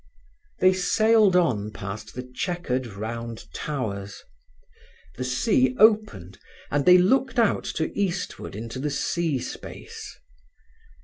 They sailed on past the chequered round towers. The sea opened, and they looked out to eastward into the sea space.